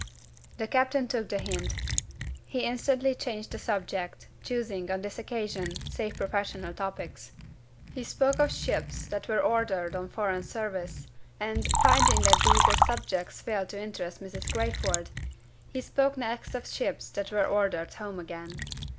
The captain took the hint. He instantly changed the subject; choosing, on this occasion, safe professional topics. He spoke of ships that were ordered on foreign service; and, finding that these as subjects failed to interest Mrs. Crayford, he spoke next of ships that were ordered home again.